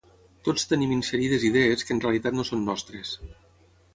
tots tenim inserides idees que en realitat no són nostres